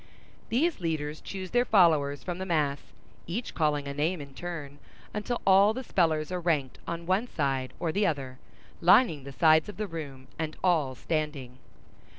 These leaders choose their followers from the mass, each calling a name in turn, until all the spellers are ranked on one side or the other, lining the sides of the room, and all standing.